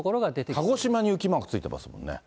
鹿児島に雪マークついてますもんね。